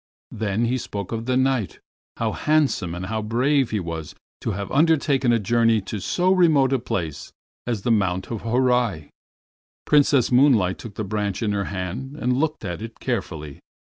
Then he spoke of the Knight, how handsome and how brave he was to have undertaken a journey to so remote a place as the Mount of Horai. Princess Moonlight took the branch in her hand and looked at it carefully.